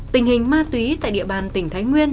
tình hình ma túy tại địa bàn tỉnh thái nguyên